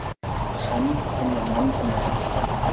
ฉันเป็นยังงั้นเสมอ